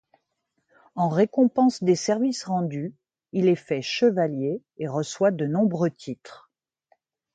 En récompense des services rendus, il est fait chevalier et reçoit de nombreux titres.